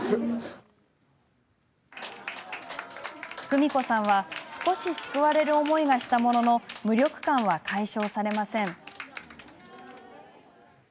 クミコさんは少し救われる思いがしたものの無力感は解消されません。